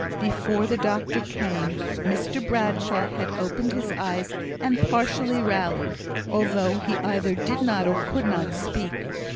Before the doctor came, Mr Bradshaw had opened his eyes and partially rallied, although he either did not, or could not speak.